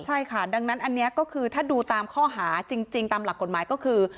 ใช่ค่ะดังนั้นอันนี้ก็คือถ้าดูตามข้อหาจริงตามหลักกฎหมายก็คือ